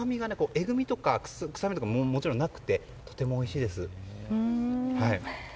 えぐみとか臭みがもちろんなくてとてもおいしいです。